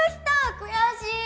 悔しい！